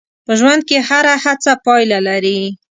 په ژوند کې هره هڅه پایله لري.